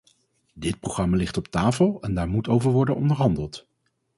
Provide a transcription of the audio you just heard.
Dit programma ligt op tafel en dáár moet over worden onderhandeld.